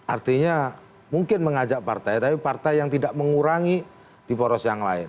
artinya mungkin mengajak partai tapi partai yang tidak mengurangi di poros yang lain